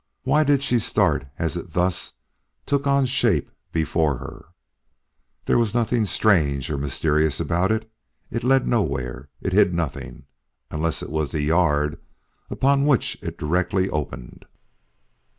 Why did she start as it thus took on shape before her? There was nothing strange or mysterious about it. It led nowhere; it hid nothing, unless it was the yard upon which it directly opened.